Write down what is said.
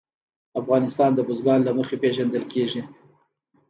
افغانستان د بزګان له مخې پېژندل کېږي.